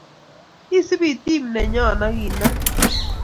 isupi team nenyoo haki inoe